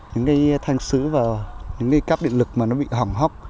những cái thanh sứ và những cái cáp điện lực mà nó bị hỏng hóc